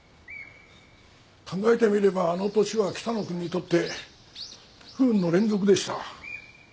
考えてみればあの年は北野くんにとって不運の連続でした。